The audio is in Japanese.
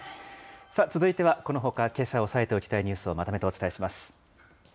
さあ、続いてはこのほか、けさ押さえておきたいニュースをまとめてお伝えします。